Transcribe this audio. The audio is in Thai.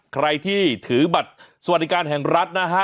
ใครที่ถือบัตรสวัสดิการแห่งรัฐนะฮะ